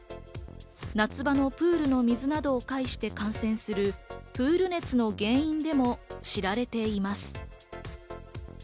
夏場のプールの水などを介して感染する、プール熱の原因でも知られています。